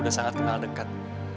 udah sangat kenal dekat